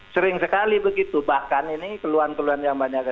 sering sekali begitu bahkan ini keluhan keluhan yang banyak